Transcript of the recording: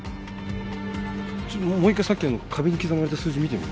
ちょっともう一回さっきの壁に刻まれた数字見てみるね。